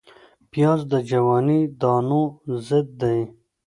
پیاز د جواني دانو ضد دی